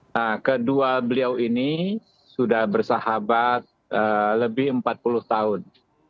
nah kedua beliau ini sudah bersahabat lebih empat puluh tahun